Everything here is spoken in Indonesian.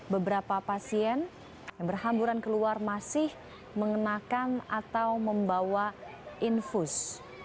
beberapa pasien yang berhamburan keluar masih mengenakan atau membawa infus